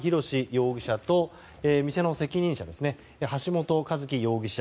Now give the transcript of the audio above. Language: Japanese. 容疑者と店の責任者の橋本一喜容疑者